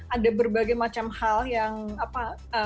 ada berbagai macam hal yang apa